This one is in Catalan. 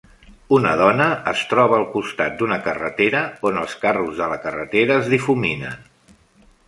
Una dona es troba al costat d'una carretera on els carros de la carretera es difuminen.